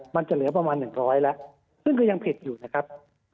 มันจะเหลือประมาณ๑๐๐แล้วซึ่งก็ยังผิดอยู่นะครับ